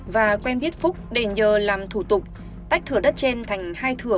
và quen biết phúc để nhờ làm thủ tục tách thửa đất trên thành hai thửa